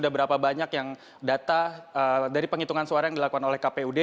berapa banyak yang data dari penghitungan suara yang dilakukan oleh kpud